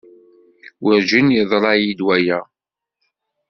Werjin yeḍra-iyi-d waya.